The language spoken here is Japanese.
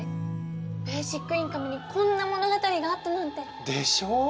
ベーシックインカムにこんな物語があったなんて。でしょう！